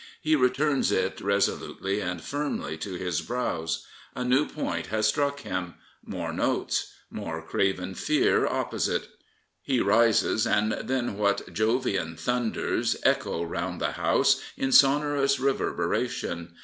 He returns it resolutely and firmly to his brows. A new point has struck him: more notes: more craven fear opposite. He rises, and then what Jovian thunders echo round the House in sonorous reverberation!